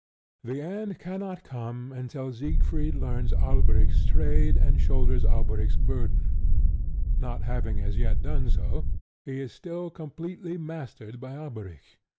The end cannot come until Siegfried learns Alberic's trade and shoulders Alberic's burden. Not having as yet done so, he is still completely mastered by Alberic.